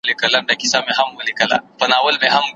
پر پله د انارګل به را رسېږې شپه په خیر